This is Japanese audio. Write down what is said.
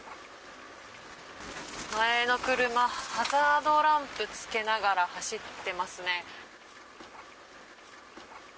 前の車ハザードランプつけながら走っていますね。